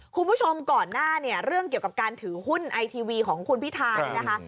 คุณผู้ชมก่อนหน้าเนี่ยเรื่องเกี่ยวกับการถือหุ้นไอทีวีของคุณพิธาเนี่ยนะคะ